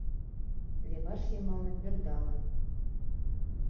Леваш йымалне пӧрдалын...